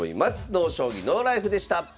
「ＮＯ将棋ＮＯＬＩＦＥ」でした。